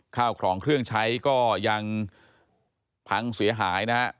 ข้าวของเครื่องใช้ก็ยังพังเสียหายนะฮะ